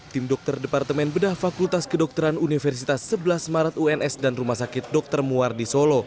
tim dokter departemen bedah fakultas kedokteran universitas sebelas maret uns dan rumah sakit dr muar di solo